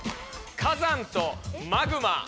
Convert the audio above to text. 「火山」と「マグマ」。